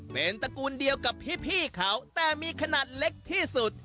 เป็นตระกูลเดียวกับพี่เขาแต่มีขนาดเล็กที่สุด